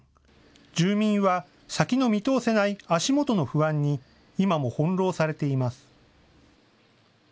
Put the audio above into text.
住民は先の見通せない足元の不安に今も翻弄されています。